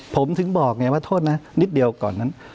ผมถึงบอกไงว่าโทษนะนิดเดียวก่อนนั้น